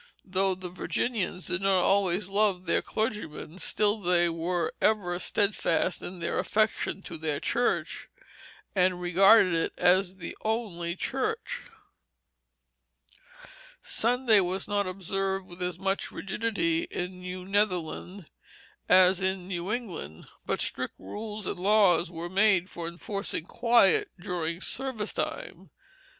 Though the Virginians did not always love their clergymen, still they were ever steadfast in their affection to their church, and regarded it as the only church. Sunday was not observed with as much rigidity in New Netherland as in New England, but strict rules and laws were made for enforcing quiet during service time.